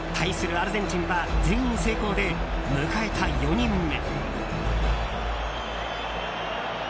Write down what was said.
アルゼンチンは全員成功で迎えた４人目。